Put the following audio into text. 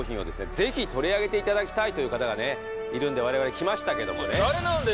ぜひ取り上げていただきたいという方がねいるんで我々来ましたけどもね誰なんだよ